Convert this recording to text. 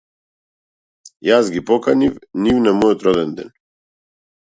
Јас ги поканив нив на мојот роденден.